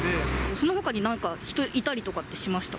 そのほかになんか、人いたりとかってしました？